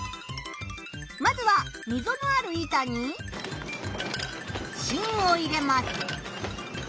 まずは溝のある板に芯を入れます。